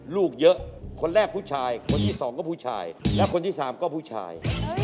ลูกเยอะคนแรกผู้ชายคนที่สองก็ผู้ชายและคนที่สามก็ผู้ชาย